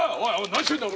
何してんだよ